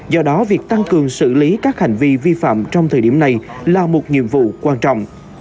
do đó việc tăng cường xử lý các hành vi vi phạm trong thời điểm này là một nhiệm vụ quan trọng